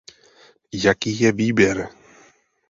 Jaký je výběr?